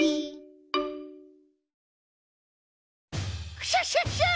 クシャシャシャ！